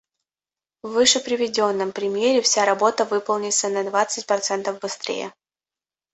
В вышеприведенном примере вся работа выполнится на двадцать процентов быстрее